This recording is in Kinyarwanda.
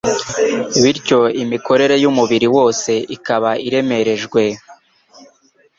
Bityo imikorere y’umubiri wose ikaba iremerejwe.